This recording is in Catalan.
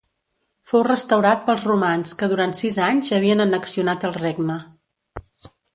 Fou restaurat pels romans que durant sis anys havien annexionat el regne.